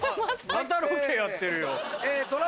またロケやってるよ。